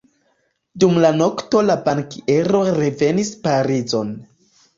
Dum la nokto la bankiero revenis Parizon.